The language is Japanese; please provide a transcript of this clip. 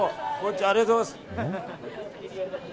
ありがとうございます。